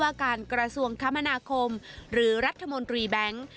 ว่าการกรรศวงธรรมนาคมหรือรัฐโมนตรีแบ็งค์